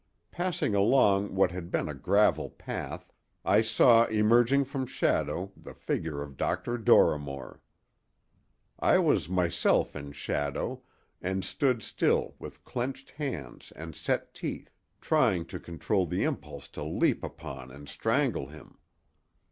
Passing along what had been a gravel path, I saw emerging from shadow the figure of Dr. Dorrimore. I was myself in shadow, and stood still with clenched hands and set teeth, trying to control the impulse to leap upon and strangle him.